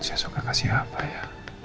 saya suka kasih apa ya